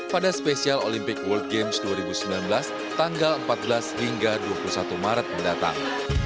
pada spesial olympic world games dua ribu sembilan belas tanggal empat belas hingga dua puluh satu maret mendatang